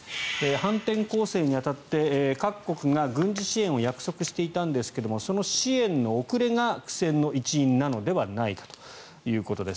反転攻勢に当たって各国が軍事支援を約束していたんですがその支援の遅れが苦戦の一因なのではないかということです。